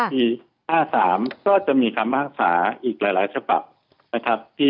ปี๕๓ก็จะมีคำพิพากษาอีกหลายฉบับนะครับ